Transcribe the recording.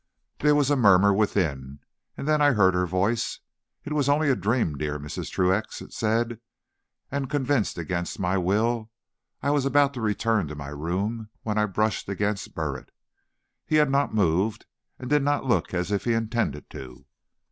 There was a murmur within, and then I heard her voice. "It was only a dream, dear Mrs. Truax," it said, and convinced against my will, I was about to return to my room, when I brushed against Burritt. He had not moved, and did not look as if he intended to.